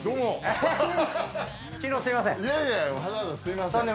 昨日すいません。